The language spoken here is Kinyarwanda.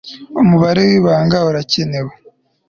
umubare wibanga urakenewe